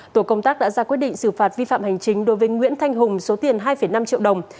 tổ công tác đã ra quyết định xử phạt vi phạm hành chính đối với nguyễn thanh hùng số tiền hai năm triệu đồng